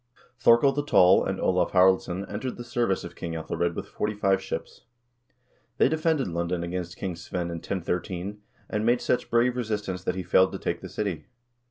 Thorkel the Tall and Olav Haraldsson entered the service of King /Ethelred with forty five ships. They defended London against King Svein in 1013, and made such brave resistance that he failed to take the city.